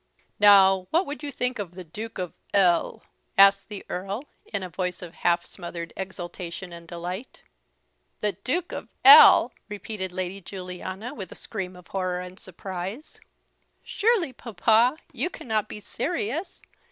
"Now, what would you think of the Duke of L ?" asked the Earl in a voice of half smothered exultation and delight. "The Duke of L !" repeated Lady Juliana, with a scream of horror and surprise; "surely, papa, you cannot be serious?